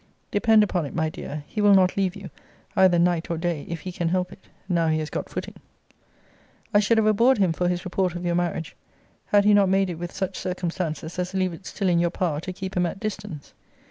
Depend upon it, my dear, he will not leave you, either night or day, if he can help it, now he has got footing. I should have abhorred him for his report of your marriage, had he not made it with such circumstances as leave it still in your power to keep him at distance.